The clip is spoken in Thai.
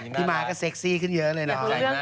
พี่ม้าก็เซ็กซี่ขึ้นเยอะเลยเนาะ